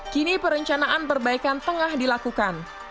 kini perencanaan perbaikan tengah dilakukan